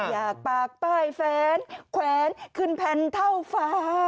อยากปากใต้แฟนแขวนขึ้นแผ่นเท่าฟ้า